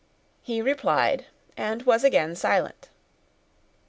He replied, and was again silent.